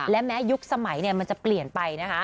และแม้ยุคสมัยมันจะเปลี่ยนไปนะคะ